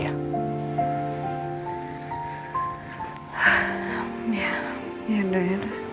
ya yaudah yaudah